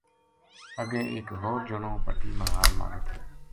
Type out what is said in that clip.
اگے ایک ہو ر جنو پٹی ما ہاڑ مارے تھو